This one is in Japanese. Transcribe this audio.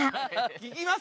聞きます？